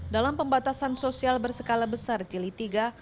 dalam pembatasan sosial bersekala besar jeli tiga